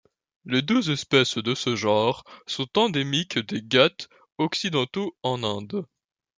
Les deux espèces de ce genre sont endémiques des Ghâts occidentaux en Inde.